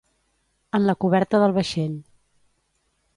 En la coberta del vaixell.